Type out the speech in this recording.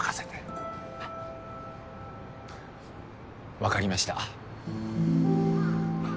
わかりました。